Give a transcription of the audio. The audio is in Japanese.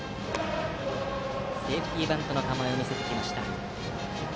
セーフティーバントの構えを見せています。